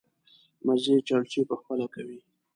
مزې چړچې په خپله کوي.